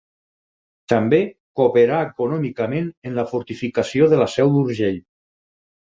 També cooperà econòmicament en la fortificació de la Seu d’Urgell.